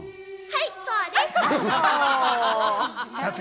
はい、そうです！